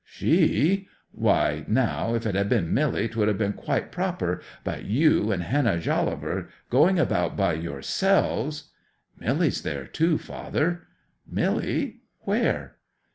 '"She? Why, now, if it had been Milly, 'twould have been quite proper; but you and Hannah Jolliver going about by yourselves—" '"Milly's there too, father." '"Milly? Where?"